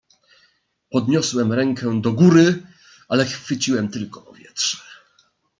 "Podniosłem rękę do góry, ale chwyciłem tylko powietrze."